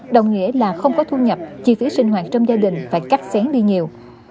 đồng nghĩa là không có thu nhập chi phí sinh hoạt trong gia đình phải cắt xén đi nhiều